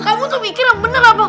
kamu tuh mikir yang bener abang